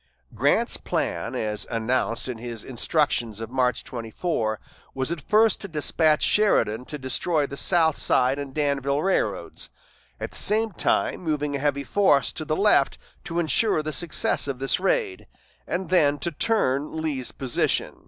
Grant's plan, as announced in his instructions of March 24, was at first to despatch Sheridan to destroy the South Side and Danville railroads, at the same time moving a heavy force to the left to insure the success of this raid, and then to turn Lee's position.